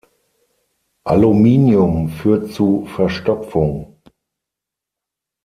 Aluminium führt zu Verstopfung.